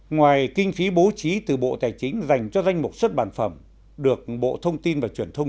ngoài kinh phí bố trí từ bộ tài chính dành cho danh mục xuất bản phẩm được bộ thông tin và truyền thông